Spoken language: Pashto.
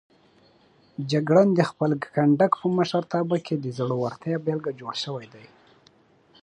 جګړن د خپل کنډک په مشرتابه کې د زړورتیا بېلګه جوړ شوی دی.